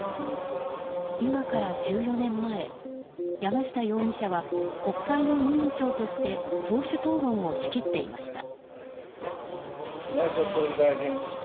今から１４年前、山下容疑者は国会の委員長として党首討論を仕切っていました。